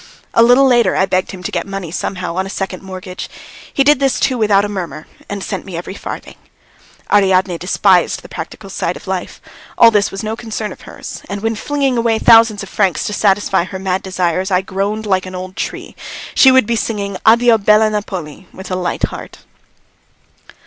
A little later I begged him to get money somehow on a second mortgage. He did this too without a murmur and sent me every farthing. Ariadne despised the practical side of life; all this was no concern of hers, and when flinging away thousands of francs to satisfy her mad desires I groaned like an old tree, she would be singing "Addio bella Napoli" with a light heart.